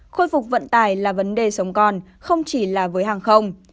khôi phục vận tài là vấn đề sống con không chỉ là với hàng không